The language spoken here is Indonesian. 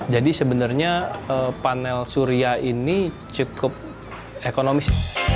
jadi sebenarnya panel surya ini cukup ekonomis